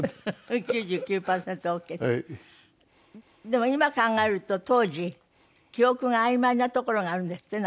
でも今考えると当時記憶があいまいなところがあるんですって？